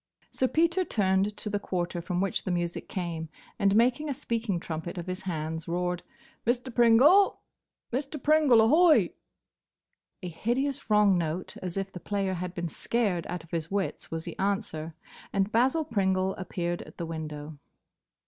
Sir Peter turned to the quarter from which the music came, and, making a speaking trumpet of his hands, roared, "Mr. Pringle! Mr. Pringle, ahoy!" A hideous wrong note, as if the player had been scared out of his wits, was the answer, and Basil Pringle appeared at the window.